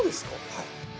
はい。